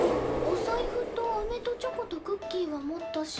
おさいふとアメとチョコとクッキーは持ったし。